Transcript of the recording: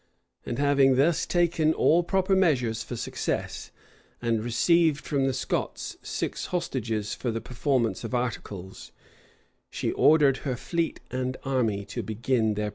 [] And having thus taken all proper measures for success, and received from the Scots six hostages for the performance of articles, she ordered her fleet and army to begin their operations.